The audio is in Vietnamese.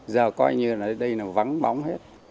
giờ coi như là đây là vắng bóng hết